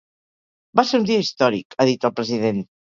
Va ser un dia històric, ha dit el president.